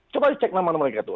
coba dicek nama nama mereka tuh